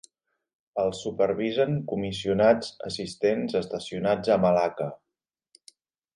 El supervisen comissionats assistents estacionats a Malaca.